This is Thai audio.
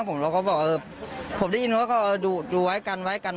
ผมก็จะเข้าไปดูใช่ไหมครับ